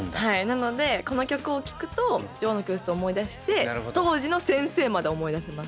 なのでこの曲を聴くと「女王の教室」を思い出して当時の先生まで思い出せます。